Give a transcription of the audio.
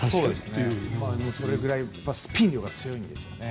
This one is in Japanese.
それくらいスピンが強いんですね。